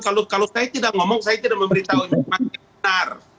kalau saya tidak ngomong saya tidak memberitahu informasi yang benar